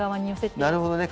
なるほどね。